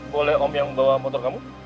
boleh om yang bawa motor kamu